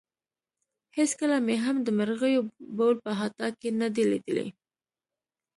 هېڅکله مې هم د مرغیو بول په احاطه کې نه دي لیدلي.